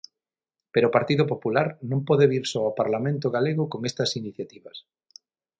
Pero o Partido Popular non pode vir só ao Parlamento galego con estas iniciativas.